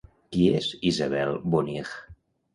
Qui és Isabel Bonig?